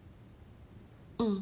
うん。